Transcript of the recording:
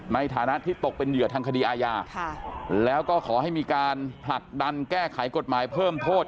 ในฐานะที่ตกเป็นเหยื่อทางคดีอาญาแล้วก็ขอให้มีการผลักดันแก้ไขกฎหมายเพิ่มโทษ